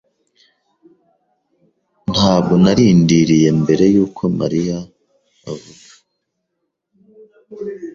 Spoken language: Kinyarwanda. Ntabwo nari narindiriye mbere yuko Mariya aje.